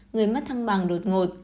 người mắt thăng bằng đột ngột